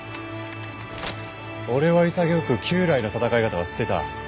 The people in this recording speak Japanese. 俺は潔く旧来の戦い方は捨てた。